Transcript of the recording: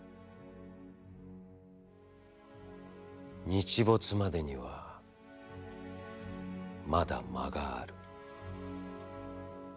「日没までには、まだ間がある。